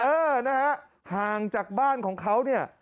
เออนะฮะห่างจากบ้านของเขาเนี่ย